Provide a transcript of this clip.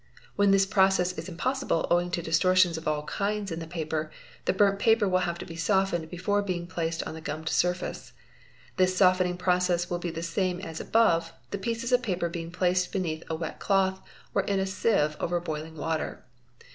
Whe1 this process is impossible owing to distortions of all kinds in the papet the burnt paper will have to be softened before being placed on th gummed surface. The softening process will be the same as above, #' pieces of paper being placed beneath a wet cloth or in a sieve ov boiling water.